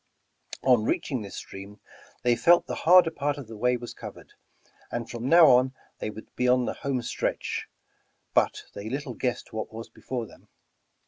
On reaching this stream they felt the harder part of the way was covered, and from now on they would be on the home str etch, but they little guessed what was before them.